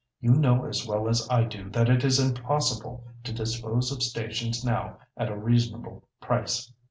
You know as well as I do that it is impossible to dispose of stations now at a reasonable price.